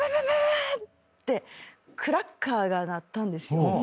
クラッカーが鳴ったんですよ。